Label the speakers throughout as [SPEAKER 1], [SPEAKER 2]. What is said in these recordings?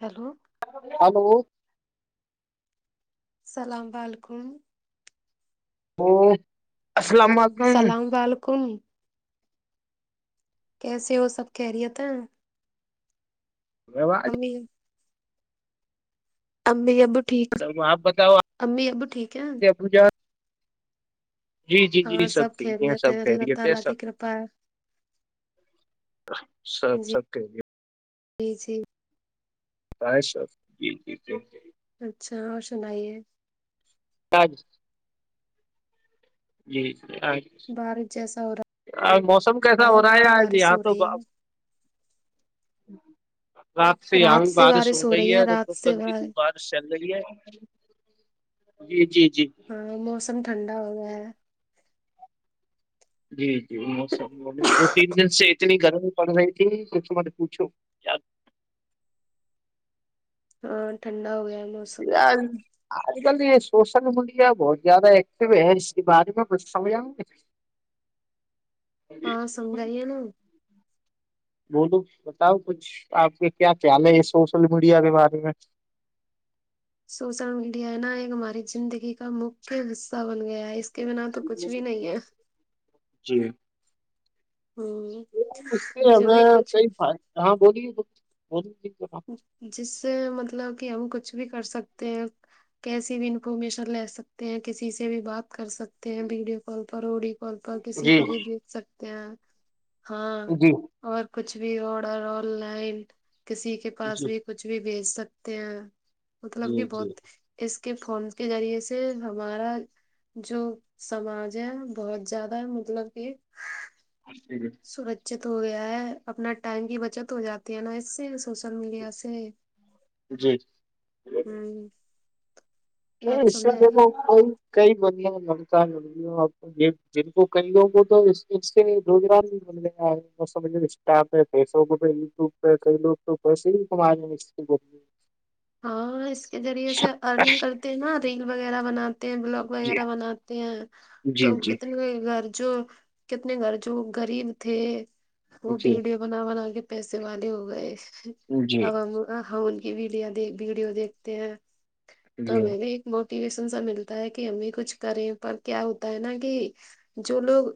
[SPEAKER 1] Hello
[SPEAKER 2] hello
[SPEAKER 1] السلام علیکم
[SPEAKER 2] وہ اسلامباد
[SPEAKER 1] السلام و علیکم کیسے وہ سب کہہ رہیے تھا
[SPEAKER 2] ووہ
[SPEAKER 1] امی امی ابو ٹھیک امی ابو ٹھیک ہے
[SPEAKER 2] پھا جی جی جی
[SPEAKER 1] ہاں
[SPEAKER 2] سب ٹھیک ہیں
[SPEAKER 1] خیریت
[SPEAKER 2] سب
[SPEAKER 1] ہے اللہ
[SPEAKER 2] خیریت ہے
[SPEAKER 1] تعالی
[SPEAKER 2] سب
[SPEAKER 1] کی کرپا ہے
[SPEAKER 2] سب
[SPEAKER 1] جی
[SPEAKER 2] سب
[SPEAKER 1] جی جی
[SPEAKER 2] جی جی جی
[SPEAKER 1] اچھا اور سنائیے
[SPEAKER 2] آج جی جی
[SPEAKER 1] بارش جیسا ہو
[SPEAKER 2] موسم کیسا ہو رہا ہے ی
[SPEAKER 1] بار
[SPEAKER 2] آج
[SPEAKER 1] بارش
[SPEAKER 2] یہاں
[SPEAKER 1] ہو
[SPEAKER 2] تو جی
[SPEAKER 1] رہی ہے
[SPEAKER 2] رات سے یہگ بارش ہو رہی ہے رک رک کر بھی دو بار چل رہی ہے جی جی جی
[SPEAKER 1] ہاں موسم ٹھنڈا ہو گیا ہے
[SPEAKER 2] جی جی موسم دو تین دن سے اتنی گرمی پڑ رہی تھی کچھ م نے پوچھو
[SPEAKER 1] ہاں ٹھنڈا ہو گیا ہے موسم
[SPEAKER 2] آج کل یہ سوشل میڈیا بہت زیادہ ایکٹیو ہے اس کے بارے میں بچھ سمج
[SPEAKER 1] ہاں سمنگائییا ن
[SPEAKER 2] بولو بتاؤ کچھ آپ کے کیا خیال ہے یہ سوشل میڈیا کے بارے میں
[SPEAKER 1] سوشل میڈیا ہے نا ایک ہماری زندگی کا مکھی حصہ بن گیا ہے کی ب نہ تو کچھ بھی نہیں ہے
[SPEAKER 2] جی
[SPEAKER 1] ہوں
[SPEAKER 2] اس سے
[SPEAKER 1] جو بھی
[SPEAKER 2] ہمیں
[SPEAKER 1] کچھ
[SPEAKER 2] کد ہاں بولیے بلی
[SPEAKER 1] جس سے مطلب کہ ہم کچھ بھی کر سکتے ہیں کیسی بھی انفارمیشن لے سکتے ہیں کسی سے بھی بات کر سکتے ہیں ویڈیو کال پر آڈی ک پر کسی
[SPEAKER 2] جی
[SPEAKER 1] کو بھی دیکھ سکتے ہیں ہاں
[SPEAKER 2] جی
[SPEAKER 1] اور کچھ بھی آڈر آن لائن کسی کے پاس بھی کچھ بھی بیچ سکتے ہیں مطلب کہ
[SPEAKER 2] جی جی
[SPEAKER 1] بہت اس کے فون کے ذریعے سے ہمارا جو سماج ہے بہت زیادہ مطلب کہ
[SPEAKER 2] اچھا ٹھیک ہے
[SPEAKER 1] سرکچت ہو گیا ہے اپنا ٹائم کی بچت ہو جاتی ہے نا اس سے سوشل میڈیا سے
[SPEAKER 2] جی
[SPEAKER 1] ہاں
[SPEAKER 2] یہ ایشب میں کوئی کئی بندلا للتا نہیں آپ جن کو کئی لوگوں کو تو اس سے روجران مجھ انسٹا پہ فیس بک پہ یو ٹیوب پہ کوو پہ صرف ہمارے
[SPEAKER 1] ہاں اس کے ذریعے سے ارننگ کرتے ہیں نا ریل وغیرہ بناتے ہیں بلاگ
[SPEAKER 2] جی
[SPEAKER 1] وغیرہ بناتے ہیں تو
[SPEAKER 2] جی جی
[SPEAKER 1] کتنے گھر جو کتنے گھر جو گغریب تھے وہ
[SPEAKER 2] جی
[SPEAKER 1] ویڈیو بنا بنا کے پیسے والے ہو گئے
[SPEAKER 2] جی
[SPEAKER 1] اب ہم ان کی ویڈیو ویڈیو دیکھتے ہیں تو
[SPEAKER 2] جی
[SPEAKER 1] میںیں بھی موٹیویشن سا ملتا ہے کہ ہم بھی کچھ کریں پر کیا ہوتا ہے نا کہ جو لوگ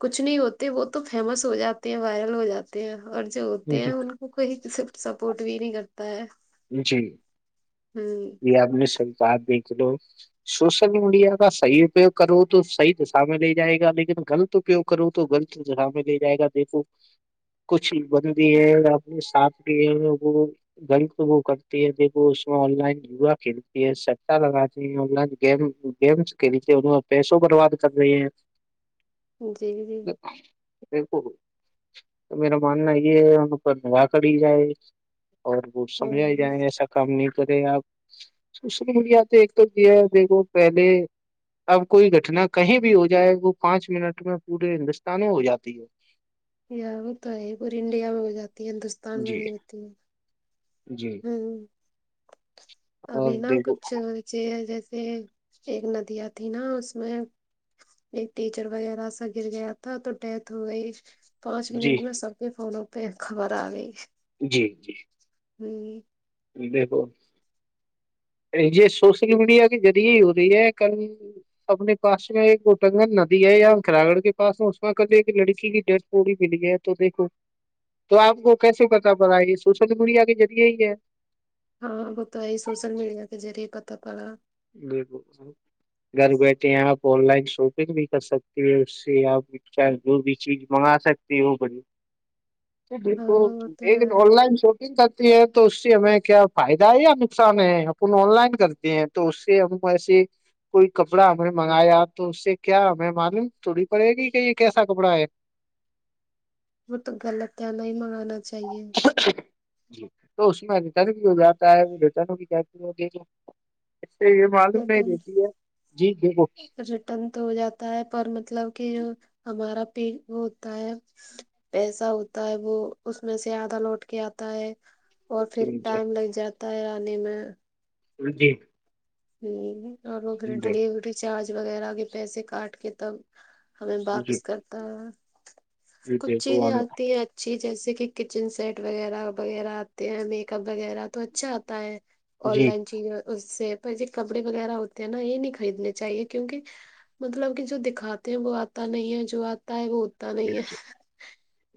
[SPEAKER 1] کچھ نہیں ہوتے وہ تو فیمس ہو جاتے ہیں وائرل ہو جاتے ہو اور جو ہوتے ہیں
[SPEAKER 2] جی
[SPEAKER 1] ان کو کہیں کسی سپورٹ بھی نہیں کرتا ہے
[SPEAKER 2] جی
[SPEAKER 1] ہاں
[SPEAKER 2] جی آپ نے سب بات دیکھ لو سوشل میڈیا کا صحیح اپیوگ کرو تو صحی دشا میں لے جائے گا لیکن غلط تو کیوں کروں تو غلط جا میں لے جائے گا دیکھو
[SPEAKER 1] [inaudible]
[SPEAKER 2] کچھ بند بھی ہیں اپنے ساتھ بھی ہیں وہ گند وہ کرتی ہے دیک وہ اس میں آن لائن یوا کھیلتی ہے سا لگاتی لائن گ گمس کھیلی پیسوں برباد کر رہے ہیں
[SPEAKER 1] جی جی
[SPEAKER 2] بک تو میرا ماننا یہ ہے ان پر دا کری جائے اور وہ سمجھ ہی جائے ایسا کام نہیں کرے آپ سوشل میڈیا پہ ایک تو یہ ہے دیکھو پہلے اب کوئی گھٹنا کہیں بھی ہو جائے وہ پانچ منٹ میں پورے ہندوستان ہو جاتی ہے
[SPEAKER 1] وہ تو ہے پوری انڈیا میں ہو جاتی ہے ہندوستان میں
[SPEAKER 2] جی
[SPEAKER 1] نہیں ہوتی ہے
[SPEAKER 2] جی
[SPEAKER 1] ہ اب
[SPEAKER 2] اور
[SPEAKER 1] نہا
[SPEAKER 2] دیکھو
[SPEAKER 1] کچھ جیسے ایک ندیاں تھی نا اس میں ایک ٹیچر وغیرہ سا گر گیا تھا تو ڈیتھ ہو گئی پانچ
[SPEAKER 2] جی
[SPEAKER 1] منٹ میں سب کے فونوں پہ خبر آ رہی
[SPEAKER 2] جی جی
[SPEAKER 1] ہی
[SPEAKER 2] دیکھو یہ سوشل میڈیا کے ذریعے ہی ہو رہی ہے کل اپنے پاس میں ایک اٹنگن ندی ہے یا اکرا گڑ کے پس اس میں کل ایک لڑکی کی ڈیتھ پڑی ملی ہے تو دیکھو تو آپ کو کیسے پتا پڑ یہ سوشل میڈیا کے ذریعے ہی ہے
[SPEAKER 1] ہاں وہ تو یہ سوشل میڈیا کےہ ذریعے پتا پڑا
[SPEAKER 2] ج گھر بیٹھے ہیں آپ آن لائن شاپنگ بھی کر سکتی ہیں اس سے آپ چاہ جو بھی چیز منگا سکتی ہو بڑی
[SPEAKER 1] [inaudible] وہ تو
[SPEAKER 2] آن
[SPEAKER 1] ہے
[SPEAKER 2] لائن شاپ کرتی ہے تو اس سے ہمیں کیا فائدہ ہے یا نقصان ہے اپن آن لائن کرتے ہیں تو اس سے ہم ایسے کوئی کپڑا ہم نے منگایا تو اس سے کیا ہمیں معلوم تھوڑی پڑے گی کہ یہ کیسا کپڑا ہے
[SPEAKER 1] وہ تو غلط ہے نہیں ہی منگانا چاہیے
[SPEAKER 2] تو اس میں رٹن کی جو ہے وہ رٹ اسے یہ معلوم نہیں
[SPEAKER 1] ریٹرن
[SPEAKER 2] رہتی ہے جی دیکھو
[SPEAKER 1] تن تو ہو جاتا ہے پر مطلب کہ جو ہمارا پیٹ وہ ہوتا ہے پیسا ہوتا ہے وہ اس میں سے آدھا لوٹ کے آتا ہے اور پھر ٹائم لگ جاتا ہے آنے میں
[SPEAKER 2] جی
[SPEAKER 1] ہ اور وہ پھر
[SPEAKER 2] جی
[SPEAKER 1] ڈیلیوری چارج وغیرہ کے پیسے کاٹ کے تب ہمیں واپس کرتا ہے
[SPEAKER 2] جی
[SPEAKER 1] کچھ چیزیں
[SPEAKER 2] دیکھو
[SPEAKER 1] آتی ہے اچھی جیسے کہ کچن سیٹ وغیرہ وغیرہ آتے ہیں میک اپ وغیرہ تو اچھا آتا ہے آن
[SPEAKER 2] جی
[SPEAKER 1] لائن چیز اس سے پ یہ کپڑے وغیرہ ہوتے ہیں نا یہ نہیں خریدنے چاہیے کیونکہ مطلب کہ جو دکھاتے ہیں وہ آتا نہیں ہے جو آتا ہے وہ اتا نہیں ہے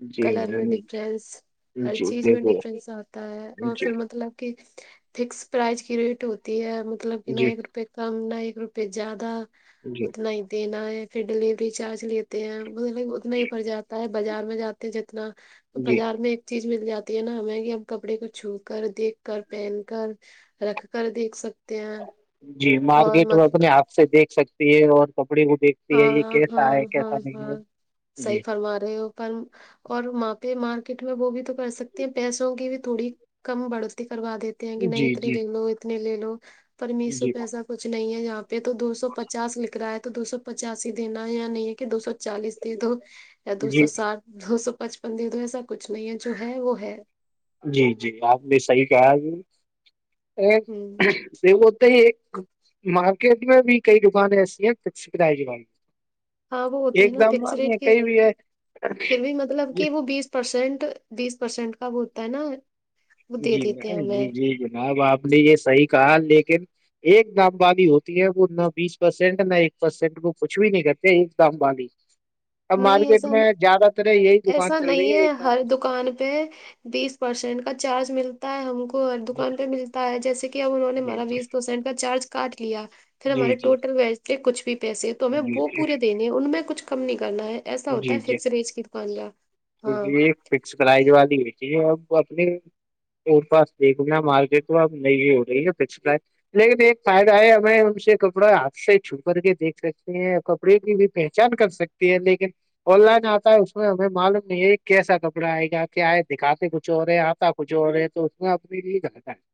[SPEAKER 2] جی
[SPEAKER 1] کلر میں
[SPEAKER 2] میم،
[SPEAKER 1] ڈفرینس ہر
[SPEAKER 2] جی
[SPEAKER 1] چیز میں
[SPEAKER 2] دیکھو
[SPEAKER 1] ڈفرینس آتا ہے اور
[SPEAKER 2] جی
[SPEAKER 1] پھر مطلب فکس پرائز کی ریٹ ہوتی ہے مطلب کہ ن
[SPEAKER 2] جی
[SPEAKER 1] ایک روپئے کم ن ایک روپئے زیادہ
[SPEAKER 2] جی
[SPEAKER 1] اتنا ہی دینا ہے پھر ڈیلیوری چارج لیتے ہیں مطلب اتنا ہی پڑ جاتا ہے بازار میں جاتے ہیں جتنا
[SPEAKER 2] جی
[SPEAKER 1] بازار میں ایک چیز مل جاتی ہے نا ہمیں کہ ہم کپڑے کو چھو کر دیکھ کر پہن کر رکھ کر دیکھ سکتے ہیں
[SPEAKER 2] جی
[SPEAKER 1] اور
[SPEAKER 2] مارکیٹ میں
[SPEAKER 1] مطلب
[SPEAKER 2] اپنے آات سے دیکھ سکتی ہے اور کپڑے کو دیکھ
[SPEAKER 1] ہاں ہاں ہاں ہاں صحی
[SPEAKER 2] جی
[SPEAKER 1] فرما رہے ہو پر اور وہاں پہ مارکیٹ میں وہ بھی تو کر سکتے ہیں پیسوں کی بھی تھوڑی کم بڑھوتی کروا دیتے ہیں کہ نہیں
[SPEAKER 2] جی
[SPEAKER 1] اتنے
[SPEAKER 2] جی
[SPEAKER 1] لے لو اتنے لے لو پرمیس سو
[SPEAKER 2] جی
[SPEAKER 1] پیسہ کچھ نہیں ہے یہاں پہ تو دو سو پچاس لکھ رہا ہے تو دو سو پچاسی دینا ہے یا نہیں ہے کہ دو سو چالیس دے دو یا دو سو
[SPEAKER 2] جی
[SPEAKER 1] ساٹھ دو سو پچپن دن تو ایسا کچھ نہیں ہے جو ہے وہ ہے
[SPEAKER 2] جی جی آپ نے صحیح کہا
[SPEAKER 1] ہوں
[SPEAKER 2] کہ وہت ہی ایک مارکیٹ میں بھی کئی دکانیں ایسی ہیں فکس کرائے ج والی
[SPEAKER 1] ہاں وہ ہوتی ہے
[SPEAKER 2] ایک
[SPEAKER 1] نا
[SPEAKER 2] دم
[SPEAKER 1] فکس ریٹ کے
[SPEAKER 2] کئی بھی ہے
[SPEAKER 1] پھر بھی مطلب کہ وہ بیس پرسینٹ بیس پرسینٹ کا وہ ہوتا ہے نا وہ دے
[SPEAKER 2] جی
[SPEAKER 1] دیتے ہیں
[SPEAKER 2] جی
[SPEAKER 1] ہمیں
[SPEAKER 2] جی جناب آپ نے یہ صحیح کہا لیکن ایک دام والی ہوتی ہے وہ نہ بیس پرسینٹ نہ ایک پرسینٹ وہ کچھ بھی نہیں کرتے ایک دام والالی [inaudible]
[SPEAKER 1] نہیں ایسا
[SPEAKER 2] دکان
[SPEAKER 1] ایسا
[SPEAKER 2] چل رہی
[SPEAKER 1] نہیں ہے
[SPEAKER 2] ایک دام
[SPEAKER 1] ہر دکان پہ بیس پرسینٹ کا چارج ملتا ہم کو ہر
[SPEAKER 2] والی۔
[SPEAKER 1] دکان پہ ملتا ہے جیسے کہ اب انہوں نے
[SPEAKER 2] جی
[SPEAKER 1] ہمارا بیس پرسینٹ کا چارج کاٹ لیا پھر
[SPEAKER 2] جی جی
[SPEAKER 1] ہمارے
[SPEAKER 2] جی
[SPEAKER 1] ٹوٹل وجتے کچھ بھی پیسے تو ہمیں
[SPEAKER 2] جی
[SPEAKER 1] وہ پورے دینے ہیں ان میں کچھ کم نہیں کرنا ہے ایسا ہوتا ہے فکس ریج کی دکان کا ہاں
[SPEAKER 2] یہ فکس پرائز والی ہوئی چ اب اپنی اور پاس دیکھنا مار گ تو اب نہیں ہو رہی ہے ناچ لیکن ایک فائدہ ہے ہمیں ان سے کپڑا ہاتھ سے چھو کر کے دیکھ سکتی ہیں کپڑے کی بھی پہچان کر سکتی ہے لیکن آن لائن آتا ہے اس میں ہمیں مال یہ کیسا کپڑا آئے گا کہ آئے دکھاتے کچھ اور رہے آتا کچھ اور رہ ہے تو اس میں اپنے لیے کرتا ہے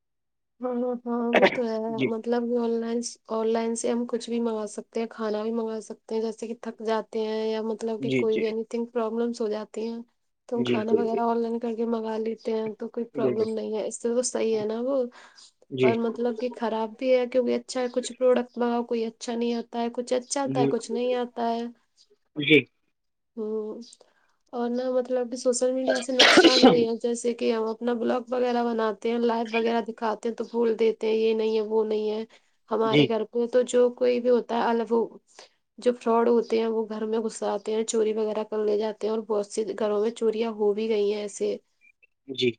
[SPEAKER 1] ہاں ہاں ہاں وہ تو ہے
[SPEAKER 2] جی
[SPEAKER 1] مطلب آن لائن آن لائن سے ہم کچھ بھی منگا سکتے ہیں کھانا بھی منگا سکتے ہیں جیسے کہ تھک جاتا [unintelligible] مطلب کہ
[SPEAKER 2] جی
[SPEAKER 1] کوئی
[SPEAKER 2] جی
[SPEAKER 1] بھی اینی تھنگ پروابلمس ہو جاتی ہیں تو ہم
[SPEAKER 2] جی
[SPEAKER 1] کھانا
[SPEAKER 2] جی
[SPEAKER 1] وغیرہ آن لائن کر کے منگا لیتے ہیں تو کوئی
[SPEAKER 2] بالکل
[SPEAKER 1] پرابلم نہیں ہے اس سے تو صحیح ہے نا وہ
[SPEAKER 2] جی
[SPEAKER 1] پر مطلب کہ خراب بھی ہے کیونکہ اچھا ہے کچھ پروڈکٹ بگاؤ کوئی اچھا نہیں آتا ہے کچھ ا اچ چلتا ہے
[SPEAKER 2] جی
[SPEAKER 1] کچھ نہیں آتا ہے
[SPEAKER 2] جی
[SPEAKER 1] ہ اور نہ مطلب سوشل میڈیا سے نقصان بھی ہے جیسے کہ ہم اپنا بلاگ وغیرہ بناتے ہیں لائو وغیرہ دکھاتے تو بھول دیتے ہیں یہ نہیں ہے وہ نہیں ہے
[SPEAKER 2] جی
[SPEAKER 1] ہمارے گھر تو جو کوئی بھی ہوتا ہے الگ جو فراڈ ہوتے ہیں وہ گھر میں گھس آتے ہیں چوری وغیرہ کر لے جاتے ہیں اور گھروں میں چوریاں ہو بھی گئی ہیں ایسے
[SPEAKER 2] جی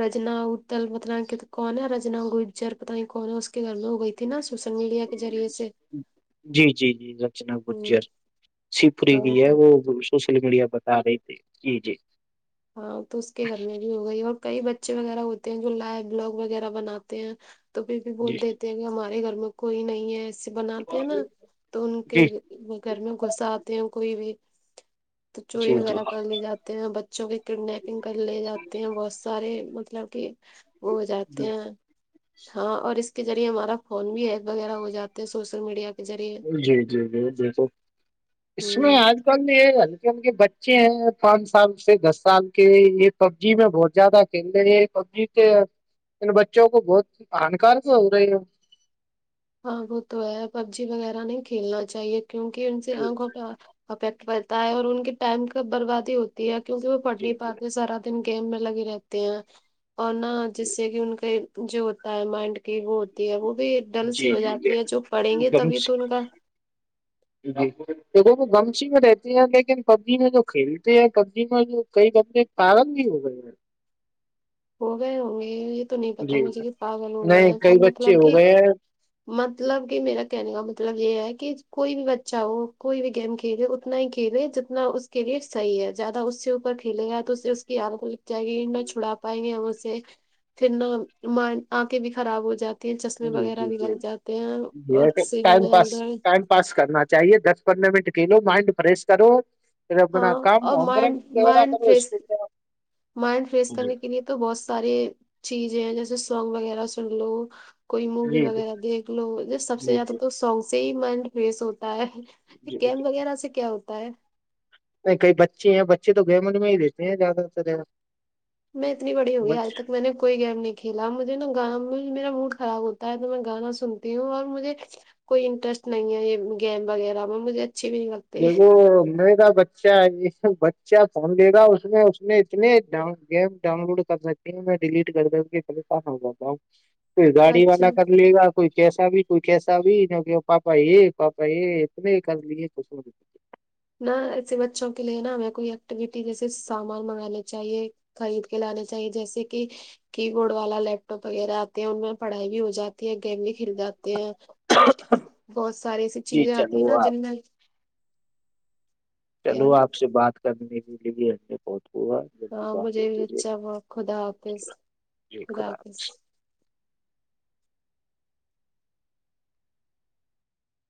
[SPEAKER 1] رجنا ہدل مت ک کون ہے رجنا گوب جر پت کون ہے اس کے گھر میں ہو گئی تھی نا سوشل میڈیا کے ریعے سے
[SPEAKER 2] جی جی جی رچنا
[SPEAKER 1] ہ
[SPEAKER 2] گجر سپری بھی
[SPEAKER 1] ہاں تو
[SPEAKER 2] ہے وہ سوشل میڈیا بتا رہی تھے جی جی
[SPEAKER 1] ہاں تو اس کے گھر میں بھی ہو گئی اور کئی بچے وغیرہ ہوتے ہیں جو لائو بلاگ وغیرہ بناتے ہیں تو پھر بھی بول
[SPEAKER 2] جی
[SPEAKER 1] دیتے ہیں کہ ہمارے گھر میں کوئی نہیں ہے ایسے بناتے ہیں نا تو ان
[SPEAKER 2] جی
[SPEAKER 1] کے گھر میں غصہ آتے ہیں کوئی بھی تو چوری
[SPEAKER 2] جی جی
[SPEAKER 1] وغیرہ کر لے جاتے ہیں بچوں کی کڈنیپنگ کر لے جاتے ہیں بہت سارے مطلب کہ وہ ہو جاتے ہیں ہاں اور اس اس کے ریعے ہمارا فون بھی ہیپ وغیرہ ہو جاتا ہے سوشل میڈیا کے ذریعے
[SPEAKER 2] جی جی جی بالکل اس
[SPEAKER 1] ہ
[SPEAKER 2] میں آج ہلکے ان کے بچے ہیں پانچ سال سے دس سال کے یہ پب جی میں بہت زیادہ کھیل رہ یہ پب جی کے ان بچوں کو بہت ہانکار سے ہو رہے ہے
[SPEAKER 1] ہاں وہ تو ہے پب جی وغیرہ نہیں کھیلنا چاہیے کیونکہ ان سے آنکھوں پہ افیکٹ تا اور ان کے ٹائم ک بربادی ہوتی ہے کیونکہ وہ پڑھ نہیں
[SPEAKER 2] جی جی
[SPEAKER 1] پاتے سرا ن گیم میں لگے رہتے ہیں اور نہا جس سے کہ ان کے جو ہوتا ہے مائنڈ کی وہ ہوتی ہے وہ بھی ڈل سی
[SPEAKER 2] جی
[SPEAKER 1] ہو
[SPEAKER 2] جی جی
[SPEAKER 1] جاتی ہے جو پڑھیں گے تبھی تو ان کا [inaudible]
[SPEAKER 2] جی تو وہ وہ گمش ہی میں رہتے ہیں لیکن پب جی میں جو کھیلتے ہیں پب جی میں جو کئی بمے پندی ہو گے
[SPEAKER 1] ہو گئے ہوں گے یہ تو نہیں پتا
[SPEAKER 2] جی
[SPEAKER 1] مجھے کہ پاگل ہو گئے
[SPEAKER 2] نہیں
[SPEAKER 1] ہیں س
[SPEAKER 2] کئی بچے
[SPEAKER 1] مطلب
[SPEAKER 2] ہو
[SPEAKER 1] کہ
[SPEAKER 2] گئے ہیں
[SPEAKER 1] مطلب کہ میرا کہنے کا مطلب یہ ہے کہ کوئی بھی بچا ہو کوئی بھی گیم کھیلے نا ہی کھیلے جتنا اس کے لیے صحیح ہے زیادہ اس سے اوپر کھیلے گا تو اس سے اس کی آل کو لگ جائے گی نہ چھڑاپ پائیں گے ہم اس سے پھر نہ آنکھیں بھی خراب ہو جاتی چشمے
[SPEAKER 2] جی
[SPEAKER 1] وغیرہ
[SPEAKER 2] جی
[SPEAKER 1] بھی
[SPEAKER 2] جی
[SPEAKER 1] لگ جاتے ہیں اور
[SPEAKER 2] یہ کہ time pass
[SPEAKER 1] Samudra
[SPEAKER 2] time pass کرنا چاہیے دس پندرہ منٹ کھیلو مائنڈ فریش کرو اے اپنا
[SPEAKER 1] ہاں
[SPEAKER 2] کام
[SPEAKER 1] اور
[SPEAKER 2] ہمرا
[SPEAKER 1] مائنڈ
[SPEAKER 2] دا کر
[SPEAKER 1] مائنڈ فریش مائنڈ فریش کرنے کے لیے تو بہت سارے چیزیں ہیں جیسے سانگ وغیرہ سن لو کوئی مووی
[SPEAKER 2] جی جی
[SPEAKER 1] وغیرہ دیکھ لو سب سے زیادہ
[SPEAKER 2] جی
[SPEAKER 1] تو سانگ سے ہی مائنڈ فریش ہوتا ہے یہ
[SPEAKER 2] جی جی جی
[SPEAKER 1] کیمپ وغیرہ سے کیا ہوتا ہے
[SPEAKER 2] نہیں کئی بچے ہیں بچے تو گموں میں ہی دیتے ہیں زیادہ تر
[SPEAKER 1] میں اتنیڑ ہو گی آج
[SPEAKER 2] بچ
[SPEAKER 1] تک میں نے کوئی گیم نہیں اکھیلا مجھے نا گانؤ میں میرا موڈ خراب ہوتا ہے تو میں گانا سنتی ہوں اور مجھے کوئی انٹرسٹ نہیں ہے یہ گیم وغیرہ میں مجھے اچھی نہیں لگ
[SPEAKER 2] بگو مگا بچ ا یہ بچہ فون دے گا اس میں اس نے اتنے گیم ڈاؤن لوڈ کرنا میں ڈیلیٹ کر د کے پلے کاف ہو جاتا ہوں پھر گاڑی والا
[SPEAKER 1] اچھا
[SPEAKER 2] کر لیے گا کوئی کیسا بھی کوئی کیسا بھی کہ پاپا یہ پاپا یہ اتنے کر لیے کھ
[SPEAKER 1] نہ ایسے بچوں کے لیے نا ہمیں کوئی ایکٹیویٹی جیسے سامان منگانے چاہیے خرید کے لانا چاہیے جیسے کہ کی بورڈ والا لیپ ٹاپ وغیرہ آتے ہیں ان میں پڑھائی بھی ہو جاتی ہے گیم بھی کھل جاتی بہت ساری ایسی
[SPEAKER 2] جی
[SPEAKER 1] چیزیں آتی ہے
[SPEAKER 2] چلو
[SPEAKER 1] نا
[SPEAKER 2] آپ
[SPEAKER 1] جن مل کیا
[SPEAKER 2] چلو
[SPEAKER 1] ہے
[SPEAKER 2] آپ سے بات کرنے کے لیے بہت ہوا جلدی
[SPEAKER 1] ہاں
[SPEAKER 2] بات
[SPEAKER 1] مجھے بھی
[SPEAKER 2] ہوتی رہے
[SPEAKER 1] اچھا با خدا حافظ خدا حافظ